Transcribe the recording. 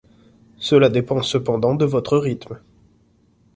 Cela dépend cependant de votre rythme.